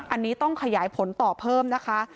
อันนี้ต้องขยายผลต่อเพิ่มนะคะ